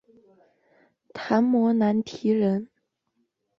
昙摩难提人。